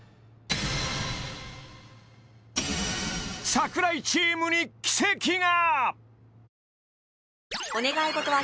櫻井チームに奇跡が！